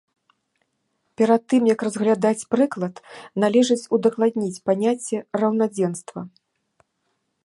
Перад тым як разглядаць прыклад, належыць удакладніць паняцце раўнадзенства.